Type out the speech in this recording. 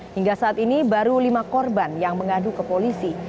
hingga saat ini baru lima korban yang mengadu ke polisi